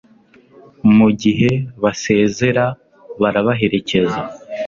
mugihe basezera barabaherekeza